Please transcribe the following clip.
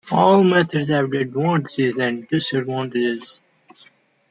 All methods have their advantages and disadvantages.